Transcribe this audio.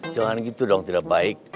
jangan gitu dong tidak baik